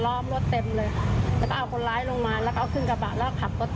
ตอนแรกเราก็นึกว่าคนร้ายยิงแต่เราก็ไม่รู้เลยว่าใครยิง